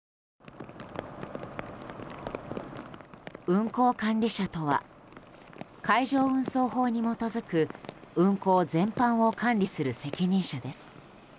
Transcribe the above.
運航管理者とは海上運送法に基づく運航全般を管理する責任者です。